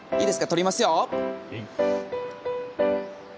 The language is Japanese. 撮りますよ！